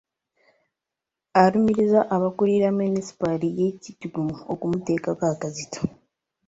Alumiriza abakulira Munisipaali ye Kitgum okumuteekako akazito